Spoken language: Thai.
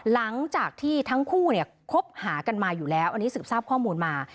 หลังจากที่ทั้งคู่เนี่ยคบหากันมาอยู่แล้วอันนี้สืบทราบข้อมูลมา